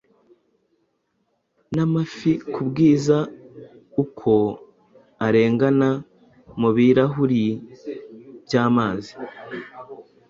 N'amafi kubwiza uko arengana Mubirahuri byamazi.